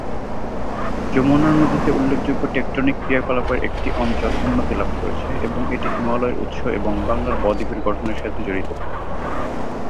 যমুনা নদীতে উল্লেখযোগ্য টেকটোনিক ক্রিয়াকলাপের একটি অঞ্চল উন্নতি লাভ করেছে এবং এটি হিমালয়ের উৎস এবং বাংলার বদ্বীপের গঠনের সাথে জড়িত।